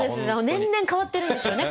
年々変わってるんですよね